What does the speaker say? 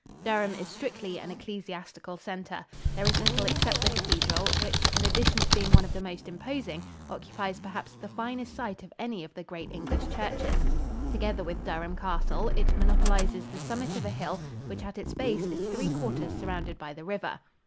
Durham is strictly an ecclesiastical center. There is little except the cathedral, which, in addition to being one of the most imposing, occupies perhaps the finest site of any of the great English churches. Together with Durham Castle, it monopolizes the summit of a hill which at its base is three quarters surrounded by the river.